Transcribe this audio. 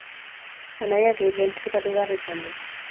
Anaiak identifikatu behar izan du.